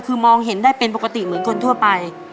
คือมองเห็นได้เป็นปกติเหมือนคนทั่วไป